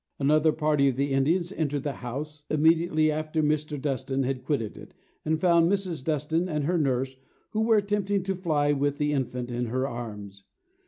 Another party of the Indians entered the house, immediately after Mr. Dustan had quitted it, and found Mrs. Dustan, and her nurse, who was attempting to fly with the infant in her arms.